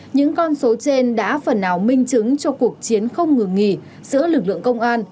những con số trên đã phần nào minh chứng cho cuộc chiến không ngừng nghỉ giữa lực lượng công an